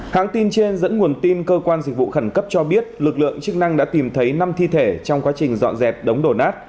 hãng tin trên dẫn nguồn tin cơ quan dịch vụ khẩn cấp cho biết lực lượng chức năng đã tìm thấy năm thi thể trong quá trình dọn dẹp đống đổ nát